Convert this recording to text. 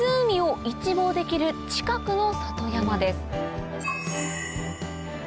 湖を一望できる近くの里山です